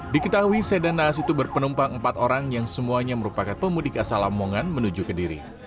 diketahui sedan naas itu berpenumpang empat orang yang semuanya merupakan pemudik asal lamongan menuju kediri